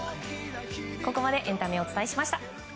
ここまでエンタメをお伝えしました。